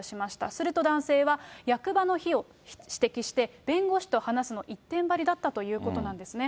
すると男性は、役場の非を指摘して、弁護士と話すの一点張りだったということですね。